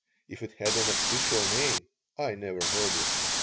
If it had an official name I never heard it.